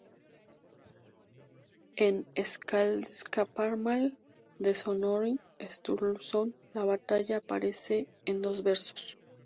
En "Skáldskaparmál" de Snorri Sturluson la batalla aparece en dos versos.